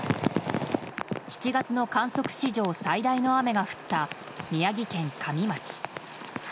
７月の観測史上最大の雨が降った宮城県加美町。